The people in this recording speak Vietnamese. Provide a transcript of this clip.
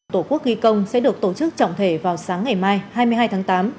tổ quốc ghi công sẽ được tổ chức trọng thể vào sáng ngày mai hai mươi hai tháng tám